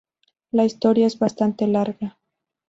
La historia es bastante larga.